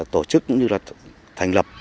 tổ chức cũng như là thành lập